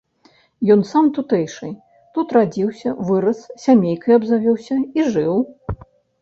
Ён сам тутэйшы, тут радзіўся, вырас, сямейкай абзавёўся і жыў.